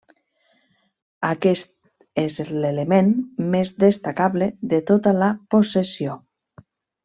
Aquest és l'element més destacable de tota la possessió.